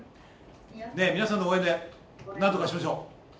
皆さんの応援で何とかしましょう。